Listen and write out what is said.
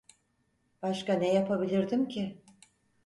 Başka ne yapabilirdim ki?